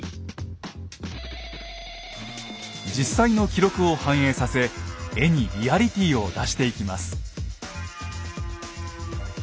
実際の記録を反映させ絵にリアリティーを出していきます。